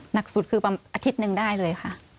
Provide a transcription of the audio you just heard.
หนักสุดคือบางอาทิตย์นึงได้เลยค่ะ